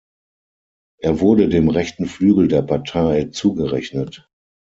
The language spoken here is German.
Er wurde dem rechten Flügel der Partei zugerechnet.